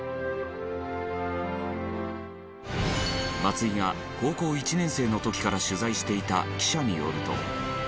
松井が高校１年生の時から取材していた記者によると。